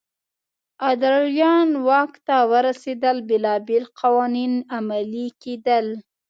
ادریان واک ته ورسېدل بېلابېل قوانین عملي کېدل.